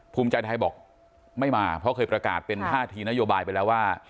ภูมิใจไทยบอกไม่มาเพราะเคยประกาศเป็นท่าทีนโยบายไปแล้วว่า